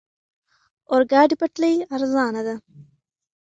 اورګاډي پټلۍ ارزانه ده.